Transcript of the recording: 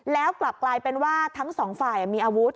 แล้วกลับกลายเป็นว่าทั้งสองฝ่ายมีอาวุธ